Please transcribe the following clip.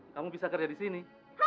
kamu bisa kerja di sini